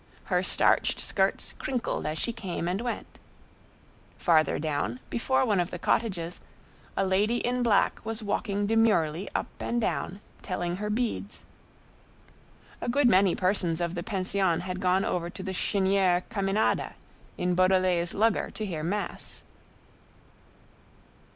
Her starched skirts crinkled as she came and went. Farther down, before one of the cottages, a lady in black was walking demurely up and down, telling her beads. A good many persons of the pension had gone over to the Chênière Caminada in Beaudelet's lugger to hear mass.